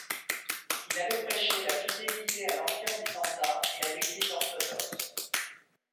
Il avait prêché la fidélité à l'Empire byzantin et à l'Église orthodoxe.